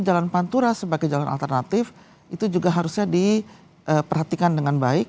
jalan pantura sebagai jalan alternatif itu juga harusnya diperhatikan dengan baik